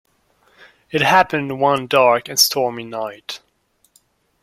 It happened one dark and stormy night.